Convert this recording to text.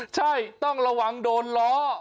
ใช่ต้องระวังโดนล้อ